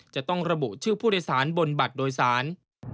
จะต้องระบุชื่อผู้โดยสารบนบัตรโดยสาร